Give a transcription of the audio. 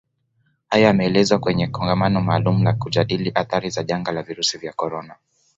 Hayo yameelezwa kwenye Kongamano maalumu la kujadili athari za janga la virusi vya corona